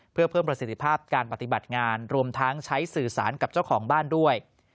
เพื่อเพิ่มประสิทธิภาพการปฏิบัติงานรวมทั้งใช้สื่อสารกับเจ้าของบ้านด้วย